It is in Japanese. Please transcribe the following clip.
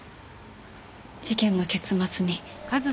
事件の結末に。